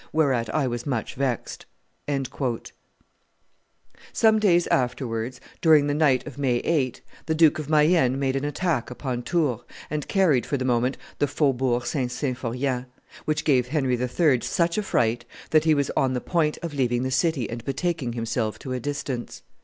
whereat I was much vexed.'" Some days afterwards, during the night of May 8, the Duke of Mayenne made an attack upon Tours, and carried for the moment the Faubourg St. Symphorien, which gave Henry III. such a fright that he was on the point of leaving the city and betaking himself to a distance.